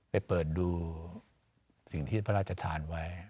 ไปเปิดดูสิ่งที่พระราชทานไว้